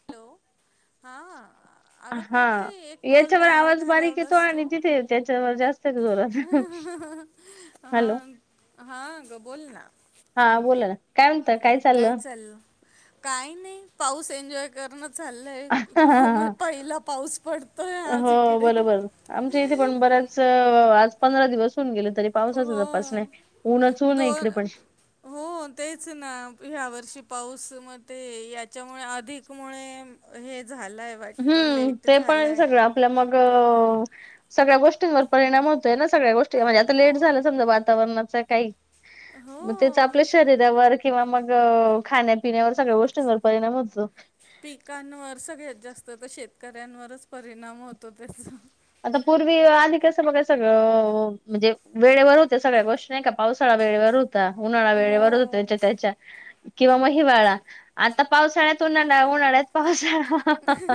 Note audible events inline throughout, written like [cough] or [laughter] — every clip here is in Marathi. हॅलो हां. अगं का हा ग एक कॉल याच्यावर वाया आवाज बारीक येतो घालवलास तू. आणि तिथे त्याच्यावर जास्त जोरात [unintelligible] हॅलो हां हां अग बोल ना? हा बोला ना? काय म्हणता काय? काय चाललं काही नाही पाऊस एन्जॉय करण चाललंय खू म पहिला पाऊस पडतोय आज हो इकडे. बरोबर आमच्या इथे पण बऱ्याच आज पंधरा दिवस होऊन गेले. तरी हो पावसाचा तपास नाही ऊनच ऊनय इकड दोन पण. हो. तेच ना ह्या वर्षी पाऊस म ते याच्यामुळे अधिक मुळे हे झालंय. वाटत लेट झालय. आपलं मग सगळ्या गोष्टींवर परिणाम हो ना सगळ्या गोष्टी म्हणजे आता लेट मग झालं समजा वातावरणाच काही हो. त्याच आपल्या शरीरावर किंवा मग खाण्यापिण्यावर सगळ्या गोष्टींवर परिणाम होतो. पिकांवर सगळ्यात जास्त तर शेतकऱ्यांवरच परिणाम होतो त्याचा. आता पूर्वी आधी कसं बघा सगळं म्हणजे वेळेवर होत्या सगळ्या गोष्टी. नाही का पावसाळा वेळेवर होत चा. उन्हाळा वेळेवर हुता. हो त्याच्या त्याच्या. किंवा म हिवाळा. आता पावसाळ्यात उन्हाळा्न. उन्हाळ्यात पावसाळा.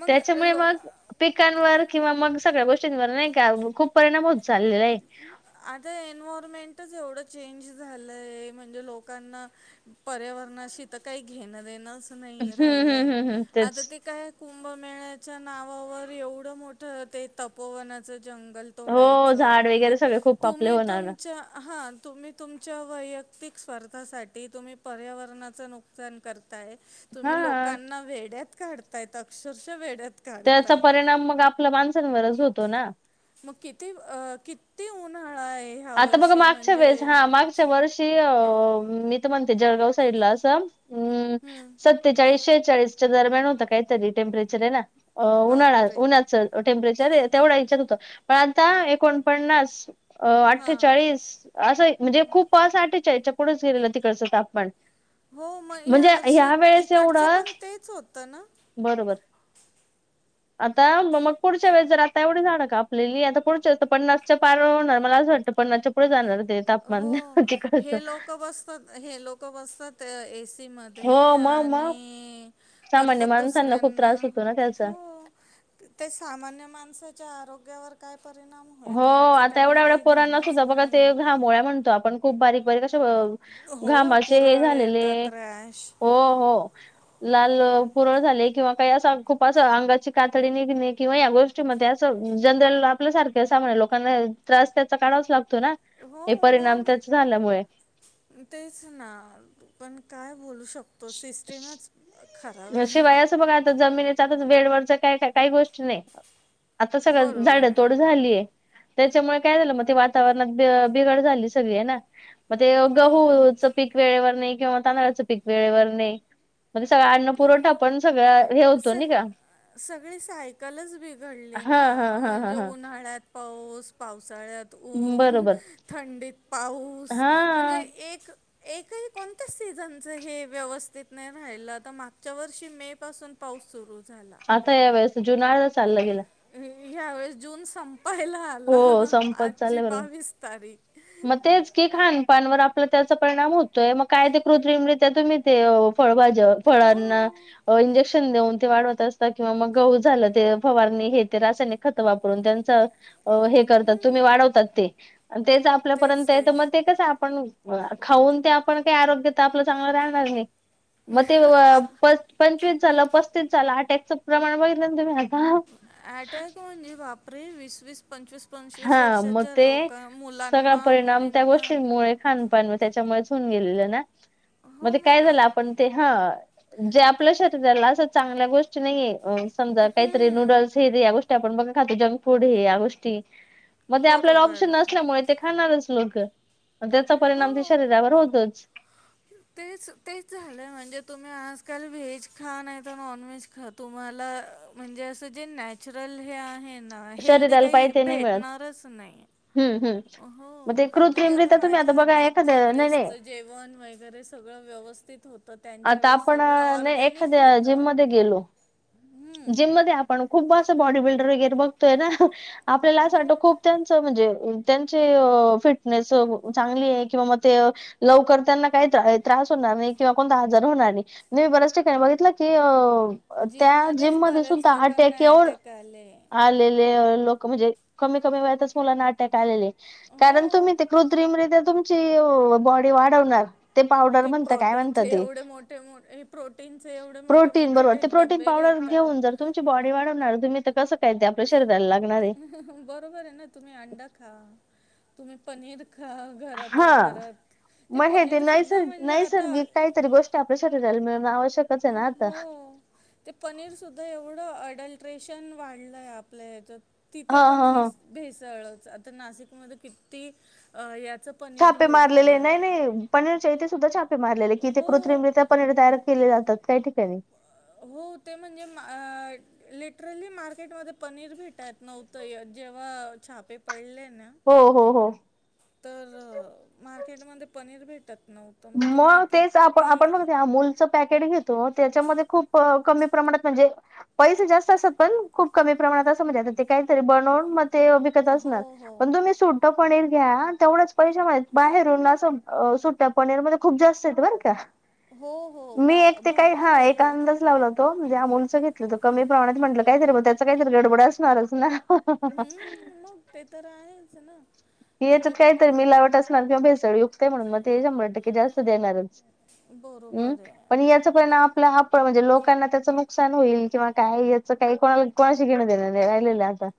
मग त्याच्यामुळे लो मग पिकांवर किंवा मग सगळ्या गोष्टींवर नाही का? खूप परिणाम होत चाललेलाय. आता एनवयरमेंटच एवढं चेंज झालंय. म्हणजे लोकांना पर्यावरणाशी तर काही घेणं देणंच नाही हम्म हम्म राहिलय. हम्म हम्म तेच आता ते काय कुंभमेळ्याच्या नावावर एवढं मोठं ते तपोवनाचं जंगल हो तथोडायच. झाड म्हणजे वगैरे सगळे खूप कापले तुम्ही होणार ना तुम च्या. हां तुम्ही तुमच्या वैयक्तिक स्वार्थासाठी तुम्ही पर्यावरणाचं नुकसान कर ताय. तुम्ही हा लोकांना वेड्यात काढताय. अक्षरशः वेड्यात त्याचा काढताय. परिणाम मग आपल्या माणसांवरच होतो ना. मग किती अ किती उन्हाळाय. आता बग मागच्या वेळेस, हा माग अ वर्षी अ मी त म्हणते जळगाव साईडला असं अम्म हं, सत्तेचाळीस शेहेचाळीस च्या दरम्यान होतं काहीतरी टेम्परेचरे ना. उन्हाळा बापरे! उन्हाचं टेम्परेचर तेवढा हच्यात होतं. पण आता एकोणपन्नास अ आठ हां. अठ्ठेचाळीस असं म्हणजे खूप अस अठ्ठेचाळीसच्या पुढच गेलेलं तिकडचं तापमाण. हो मग ह्या वर्षी इकडचं पण तेच होतं ना. बरोबर. [unintelligible] आता मग पुढच्या वेळेस जर आता एवढी झाड कापलेलीय. आता पुढच्या वळेस तर पन्नासच्या पार होणार मला असं वाटतं. पन्नास च्या पुढे जाणार ते. हो तापमान तिकडच हे लोक बसतात. हे लोक बसतात एसी हो मध्ये. मग मग आणि सामान्य करतात माणसांना खूप दुसऱ्यांना. त्रास होतो ना त्याचा हो. ते सामान्य माणसाच्या आरोग्यावर काय परिणाम हो होईल याचं आता त्यांना एवढ्या एवढ्या काही पोराणा न घेणंच सुध्दा बघा नाही. ते घामोळ्या म्हणतो आपण. खूप बारीक बारीक अशा हो, घामाचे हे पुरळ येतात, झालेलेय. रॅश. हो हो. लाल पुरळ झाले. किंवा काही असं खूप अस अंगाची कातडी निघणे. किंवा या गोष्टी असं जनरल आपल्या सारखे सामान्य लोकांना त्रास त्याचा काढावाच लागतो ना? हो हे परिणाम मग. त्याच झाल्यामुळे तेच ना. पण काय बोलू शकतो? सिस्टीमच खराब आहे शिवाय असं बघा आता जमिनीच्या आता बेडवरच काही काही गोष्टी नाही. आता सगळं बरोबर झाड नाही तोड झालीय. त्याच्यामुळे काय झालं. मग ते वातावरणात बिघड झाली सगळी ना. मग ते गहूच हो पीक वेळेवर नाही. किंवा तांदळाचं पीक वेळेवर नाही. म ते सगळं अ पुरवठा पण सगळ्या हे हो स सगळे सायकलच बिघडले हा ना. हा हा हा म्हणजे उन्हा हा. उन्हाळ्यात पाऊस, पावसाळ्यात ऊन, बरोबर थंडीत पाऊ ऊस. हा म्हणजे एक एकही कोणत्या सीझनच हे व्यवस्थित नाही राहिलं आता. मागच्या वर्षी मे पासून पाऊस सुरू झाला. आता या वेळेसं त जुन अर्धा चाला गेला. ह्यावेेळेस जून संपायला आला. हो संपत आजची चाललंय बरोबर. बावीस तारीख. मग तेच की खानपानवर आपलं त्याचा परिणाम होतोय. मग काय ते कृत्रिमरित्या तुम्ही ते फळाजी ज फळांना हो अ इंजेक्शन देऊन ते वाढवत असता किंवा मग गहू झालं ते फवारणी हे ते रासायने खत वापरून त्यांच अ हे करतात तुम्ही वाढवता ते तेच आपल्यापर्यंत हायत म ते ते कस आपण खाऊन ते आपण का आरोग्य ते त आपल चांगलं राणार नाही मग ते अ प पंचवीस झालं पस्तीस झालं अटॅकचं प्रमाण बघितलं ना तुम्ही? आता अटॅक व्हणी बापरे वीस -वीस पंचवीस पंचवीस हा मग वर्षाच्या ते लोक सगळा मुलांना परिणाम त्या मुलींना गोष्टींमुळे खानपान म त्याच्यामुळेच होऊन गेलेलं ना मग ते काय झालं आपण ते ह जे आपल्या शरीराला अस चांगल्या गोष्टी नाहीय समजा काहीतरी हम्म नूडल्स फेरी या गोष्टी आपण बघा खातो जंक फूड हे या गोष्टी मग ते आपल्याला बरोबर ऑप्शन आहे नसल्यामुळे ते खाणारच लोक म त्याचा परिणाम ते हो शरीरावर होतोच. तेच तेच झालंय म्हणजे तुम्ही आजकाल व्हेज खा नाही तर नॉन व्हेज खा तुम्हाला म्हणजे असं जे नॅचरल हे आहे ना हेल्दी शरीराला काही पाहिजे ते नाही मिळत भेटणारच नाही. हम्म हम्म. हो मग ते म्हणजे आता कृत्रिमरित्या तुम्ही माझ्या बघा आजीच्या एखाद्या नाही वेळेसच नाही जे जेवण वगैरे सगळं व्यवस्थित होत. आता आपण नाही एखाद्या जिम होतं मध्ये गेलो हम्म. जिम मध्ये पण खूप असं बॉडी बिल्डर वगैरे बघतोय ना आपल्याला असं मग वाटत खूप त्यांच म्हणजे त्यांचे अ फिटनेस अ चांगली आहे किंवा मग ते लवकर त्यांना काही त्राय त्रास होणार नाही किंवा कोणता आजार होणार नाही मी बऱ्याच ठिकाणी बघितलं की त्या जिममध्येच जिमध्ये बऱ्याच सुद्धा अट्याक लोकांना येऊन अटॅक आले आलेले लोक् क म्हणजे कमी कमी वयातच मुलांना अटक आलेले कारण तुम्ही हो ते कृत्रिमरीत्या तुम्ह ची बॉडी वाढवणार ते पावडर म्हणता काय म्हण ते प्रोटीनचे एवढे मोठे मो हे प्रोटीनचे एवढे मोठे मोठे तेे डबे घेतात. तर तुमची बॉडी वाढवणार तुम्ही तर कस काय ते आपल्या शरीराला लागणाराय? बरोबर आहे ना तुम्ही अंड खा तुम्ही पनीर खा हा घरातल्या घरात ते पनीर सुद्धा म्हणजे आता तरी गोष्टी आपल्या शरीराला मिळण आवश्यकच आहे अ, ना आता? हो ते पनीरसुद्धा एवढं अडल्ट्रेशन वाढलंय आपल्या ह्याच्यात तिथे हा पण हा हा मिस भेसळच आता नाशिकमध्ये किती अ ह्याच छापे मारलेले नाही -नाही पनीर चे इथे सुद्धा छापे मारलेले की इथे हो कृत्रिमरित्या पनीर तयार केले जातात काही ठिकाणी. अ हो ते म्हणजे मा लिटरली मार्केटमध्ये पनीर भेटयत नव्हतं जेव्हा छापे पडले ना हो हो हो. तर मार्केटमध्ये पनीर भेटत नव मग तेच आप आपण मग अमूल च पॅकेट घेतो त्याच्यामध्ये खूप कमी प्रमाणात म्हणजे पैसे जास्त असतात पण खूप कमी प्रमाणात असं म्हणजे ते काहीतरी ब लावून म ते विकत हो असणार हो पण तुम्ही सुट ट पनीर घ्या तेवढच पैसे माहीत बाहेरून असं सुट्यात पनीरमध्ये खूप जास्त हायत बर का? हो हो मी वा एक ते काही भरपूर हा एक येतं अंदाज लावलं तो म्हणजे अमूलचं घेतलं कमी प्रमाणांत म्हटलं कांहींतरीग त्याचं कांहींतरी गडबड असणांरच नां हं हम्म मग ते तर आहेच ना हं हेचं म्हणजे कांही त्यांत मिलावंट असणारं किंवा भेसळयुक्त कायं म्हणूंन मंग ते शंभर टक्के जास्तं देणांरच. हम्मं बरोबर पणं आहे. येतं आपणं आपलं हां म्हणजे लोकांना त्याचं नुकसांन होईल किंवा कायं याचं कांहीं कोणांला कोणांशी घेणं देणं नाहीं राहिलेल आंता.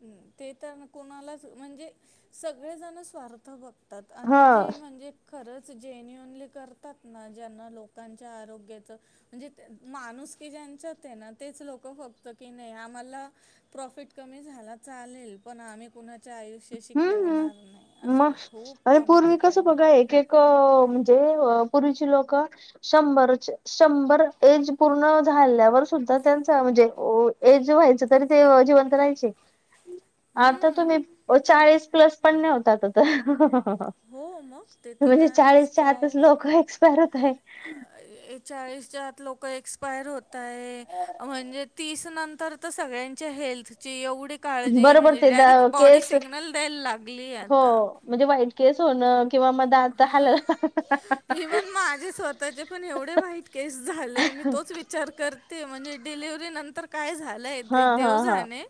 हम्मं ते तरं कोणांलाच म्हणजे सगळेजंण स्वार्थ बघतं बघंतात हा आणि जे म्हणजे खरंच जेन्युनली करतांत नां ज्यांना लोकांच्या आरोग्याचं म्हणजे माणूसकी ज्यांच्यात आहे नां तेचं लोकं फक्तं की नाहीं आम्हांला प्रॉफिट कमी झालां चालेल पणं आम्हीं कुंणा च्या आयुष्याशी हम्म हम्म खेळणांर नाहीं असं मग खूंप कमी ठिकाणीं आहे. कं म्हणजे पूर्वीची लोकं शंभर चं शंभर ऐज पूर्ण झाल्यांवर सुद्धां त्यांच म्हणजे ऐज व्हायचं तरी ते जिवंत राहायचे आंता हम्म तुम्हीं चाळीस प्लसं पणं नाहीं होतांत आंता तरं. हो मग ते तर म्हणजे आहेच चाळीसच्यां आंतच चाळीस लोक एक्सपायर होतांय. चाळीसच्या आंत लोक एक्सपायर होतांय म्हणजे तीस तीस नंतर तरं सगळ्यांच्या हेल्थ ची एवढी कांळजी बरोबर म्हणजे ते डायरेक्ट बॉडी केस सिग्नल द्यांयला लागलीय हो आंता. म्हणजे व्हाईट केंस हो नं दांत हालल इवन माझे स्वंतःचे पणं एवढे व्हाईट केंस झाले मी तोंच विचार विचार करते म्हणजे डिलिव्हरी नंतर कायं झालं लंय हा हा देवं हा जाणे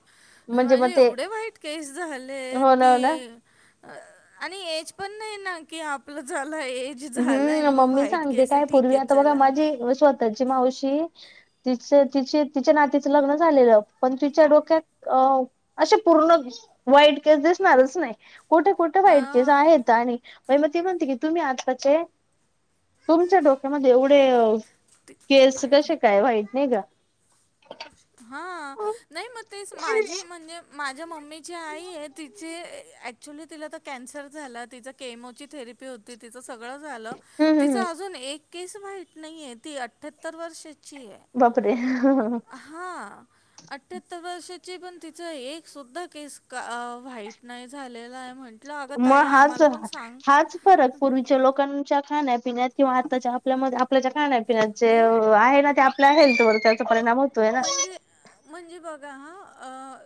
म्हणजे मग माझे ते एवढे वाईट केंस झालेत होणार ना की अं आणि ऐज पणं नाहीं नां की आपलं झालं ऐज हम्मं मम्मी सांगते कायं पूर्वी आंता बघां चला माझी स्वंतःची मावशी तिचे तिचे तिच्यां नातीचं लग्नं झालेलं पणं तिच्यां डोक्यात अं असे पूर्ण व्हाईट केंस दिसणांरच नाहीं कुठे कुठे कुठे व्हाईट केंस अं, आहेत आणि मंग ते म्हणते की तुम्हीं आंज चे तुमच्यां डोक्यामध्यें एवढे ते केंस पाय धु कसे कायं व्हाईट नाहीं कां हां नाहीं मंग तेचं माझी म्हणजे माझ्यां मम्मीची आई आहे ती चे ॲक्च्युली तिलां तरं कॅन्सर झालं तिचं केमोची थेरपी होती तिचं सगळं झालं हम्म हम्म तिचां अजूंन एक केंस व्हाईट नाहीये ती अठ्यात्तर वर्षाची आहे. बांपरे हं हं हां अठ्यात्तर वर्षाची पणं तिचां एक सुद्धां केंस वा्हाईट नाहीं झालेला आहे म्हंण म्हटलं अंग ताई मग हाच आम्हांला पणं सांग हाच फरक पूर्वीच्या लोकांच्या खाण्यापिण्यात किंवा आतांच्या आपल्या आपल्यांच्या खाण्यापिण्याचे हो आहे नां ते आपल्या हेल्थ वरं त्यांचा परिणाम होतो म्हणजे म्हणजे बघां हं अं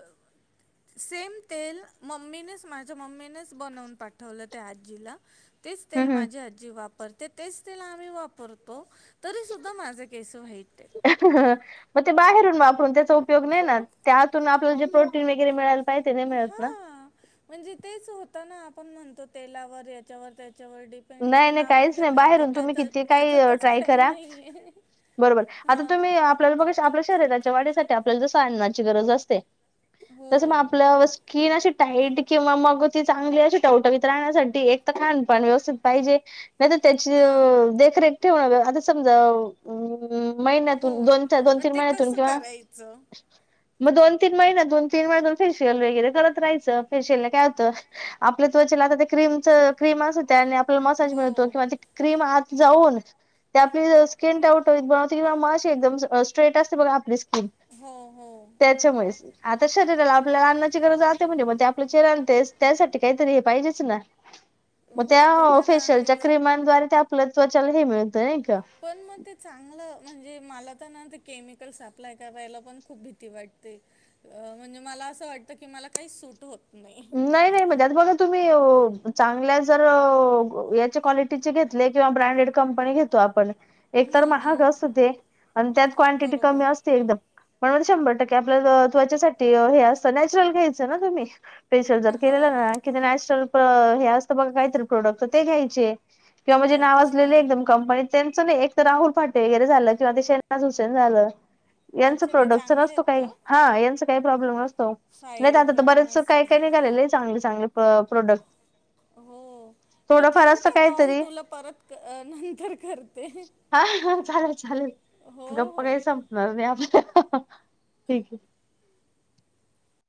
सेम तेल मम्मीनेच माझ्या मम्मीनेच बनवूंन पाठवलं त्यां आजीला तेचं तेल माझी आजी जी वापरते तेचं आम्हीं वापरतो तरीसुद्धां माझे केंस व्हाईट आहेतं मंग ते बाहेरूंन वापरूंन त्यांचा उपयोग नाहीं नां त्यांतून आपल्याला जे प्रोटीन वगैरें मिळायला पाहिजे ते नाही मिळत ना. हां म्हणजे तेचं होतं नां आपणं म्हणतो तेलावर यांच्यावर त्यांच्यावर डीप पणं जे नाही पणं नाही आपणं काहीच जे नाही खातो बाहेरून त्या तुम्ही किती काही त्यांच्यातचं ट्राय कांहीं करा नाहीये. बरोबर आंता तुम्हीं आपल्याला बरं आपल्या शरीराच्या वाढीसांठी आपल्यांला जसं अन्नाची गरजं असते हो तसं मंग आपलं कीन अशी टाईट किंवा मंग ती चांगली अशी टवटवीत राहण्यांसाठी एक तरं खानपान व्यवस्थित पाहिजे नाहीं तरं त्यांची हां देखरेख ठेवणं आंता समजां हम्मं हो महिन्यांतून दोन दोन मग तीनं ते महिन्यांतून कसं किंव्हा करायचं मंग दोन तीनं महिना दोन तीनं महिन्यात फेशियल वगैरें करतं रायचं फेशियल लां कायं होतं आपले त्वचेला आंता ते क्रीमच क्रीम त्यांने होते आणि मसाज हो में महत्वाचे क्रीम आंत जाऊन त्यां आपली स्क्रीन डाऊंन बनवते किंवा मलां एकदंम स्ट्रेट असते बघां आपली स्किन हो हो त्यांच्यामुळे सं आंता शरीराला आपल्यांला अन्नाची गरजं आहेते म्हणजे मंग ते आपले चेहऱ्या त्यांसाठी कांहीतरी हे पाहिजेच नां हम्मं हो ते तरं फेशलच्या क्रिमांद्वारे ते आपलं त्वचाला हे मिळतं नाही कां पणं मंग ते चांगलं म्हणजे मलां तरं नां ते केमिकल सप्लाय करायंला पणं खूंप भीती वाटते अं म्हणजे मलां असं वाटतं की मलां कांहीं सूंट होतं नाहीं नाहीं नाहीं म्हणजे त्याचं बरोबर तुम्हीं चांगल्या जरं यांची क्वालिटीचे घेतली घेतली किंवा ब्रँडेड कंपनी घेतो आपणं एक तरं हम्म, महांग हम्म. असं ते आणि त्यांत क्वांटिटी बरोबर कमी असते एकदंम म्हंण शंभर टक्के आपल्या त्वच्यासाठी हे असतं नॅचरल घ्यायचं नां तुम्हीं जरं केलेलं हो नां कि नॅचरल हे असतं बघं कांहीतरी प्रोडक्ट ते घ्यांयचे किंवा म्हणजे अच्छा नावंजले आहे कंपनीत त्यांचं नाहीं एक तरं राहुल फाटे वगैरें झालं किंवा ते शेनाज हुसेन झालं यांच अच्छा ते प्रोडक्टच चांगले नसतो आहेत कांहीं का हां यांचा कांहीं प्रॉब्लेम नसतो नाहीं साईड तरं आंता तरं इफेक्ट बरेचं नसतो लेय झालेले चांगले चांगले प्रोडक्ट हो मी थोडंफार ठेवूं असं कां कॉल काहीतरी तुंला परंत नंतर करते हां हां चालेल चालेल हो गप्पा हो कांहीं संपणार नाहीत आपल्या ठीक आहे